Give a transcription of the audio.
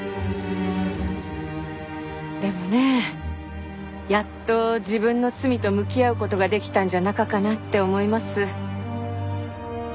でもねやっと自分の罪と向き合う事ができたんじゃなかかなって思います。